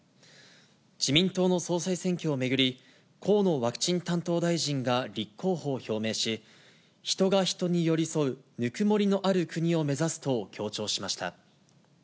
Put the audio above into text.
自民党の総裁選挙を巡り、河野ワクチン担当大臣が立候補を表明し、人が人に寄り添うぬくもりのある国を目指すと強調しました。